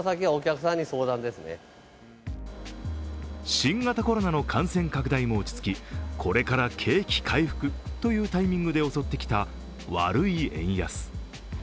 新型コロナの感染拡大も落ち着き、これから景気回復というタイミングで襲ってきた悪い円安。